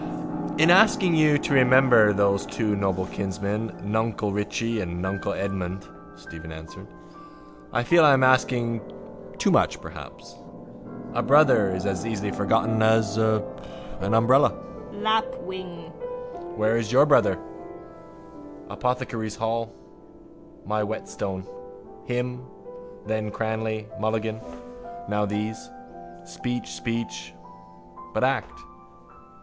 —In asking you to remember those two noble kinsmen nuncle Richie and nuncle Edmund, Stephen answered, I feel I am asking too much perhaps. A brother is as easily forgotten as an umbrella. Lapwing. Where is your brother? Apothecaries' hall. My whetstone. Him, then Cranly, Mulligan: now these. Speech, speech. But act.